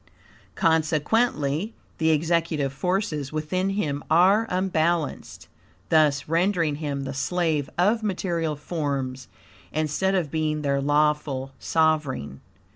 Consequently, the executive forces within him are unbalanced, thus rendering him the slave of material forms, instead of being their lawful sovereign.